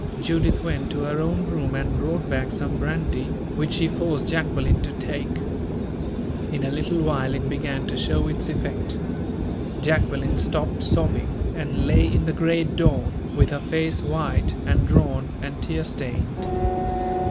Judith went to her own room and brought back some brandy, which she forced Jacqueline to take. In a little while it began to show its effect. Jacqueline stopped sobbing, and lay in the great dawn, with her face white and drawn and tear stained.